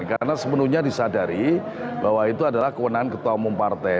karena sepenuhnya disadari bahwa itu adalah kewenangan ketua umum partai